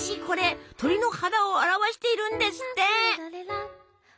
これ鳥の肌を表しているんですって。